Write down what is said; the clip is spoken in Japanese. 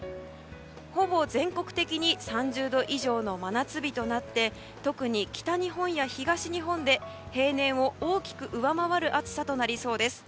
ほぼ全国的に３０度以上の真夏日となって特に北日本や東日本で平年を大きく上回る暑さとなりそうです。